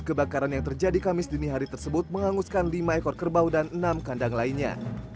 kebakaran yang terjadi kamis dini hari tersebut menghanguskan lima ekor kerbau dan enam kandang lainnya